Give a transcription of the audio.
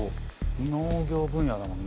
農業分野だもんな